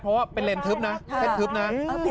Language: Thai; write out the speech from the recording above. เพราะว่าเป็นเลนทึบนะ